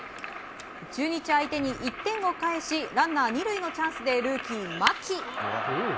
中日相手に１点を返しランナー２塁のチャンスでルーキー、牧。